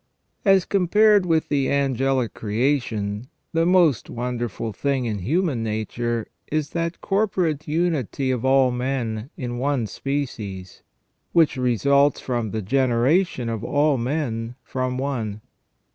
As compared with the angelic creation, the most wonderful thing in human nature is that corporate unity of all men in one species which results from the generation of all men from one.